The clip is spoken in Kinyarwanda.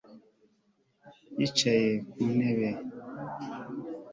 yicaye ku ntebe